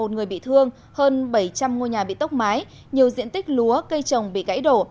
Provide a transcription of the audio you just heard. một người bị thương hơn bảy trăm linh ngôi nhà bị tốc mái nhiều diện tích lúa cây trồng bị gãy đổ